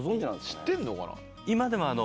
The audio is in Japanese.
知ってんのかな？